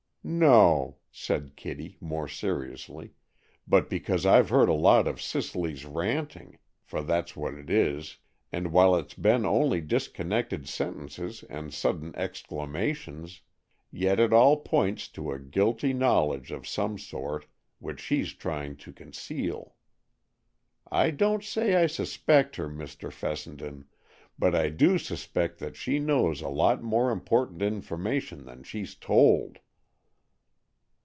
"No," said Kitty, more seriously; "but because I've heard a lot of Cicely's ranting,—for that's what it is,—and while it's been only disconnected sentences and sudden exclamations, yet it all points to a guilty knowledge of some sort, which she's trying to conceal. I don't say I suspect her, Mr. Fessenden, but I do suspect that she knows a lot more important information than she's told."